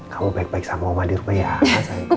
kamu baik baik sama mama di rumah ya sayangku